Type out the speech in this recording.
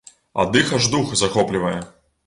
Ад іх аж дух захоплівае.